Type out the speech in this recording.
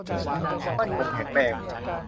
มั่นคงแข็งแรง